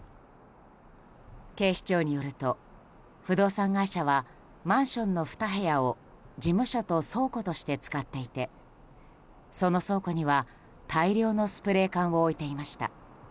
警視庁によると不動産会社はマンションの２部屋を事務所と倉庫として使っていてその倉庫には大量のスプレー缶を置いていました。